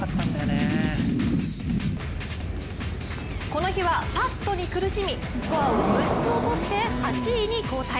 この日はパッとに苦しみスコアを６つ落として８位に後退。